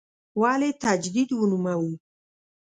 ولې تجدید ونوموو.